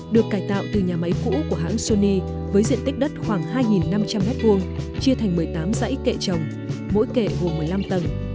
được cải tạo từ nhà máy cũ của hãng sony với diện tích đất khoảng hai năm trăm linh m hai chia thành một mươi tám dãy kệ trồng mỗi kệ gồm một mươi năm tầng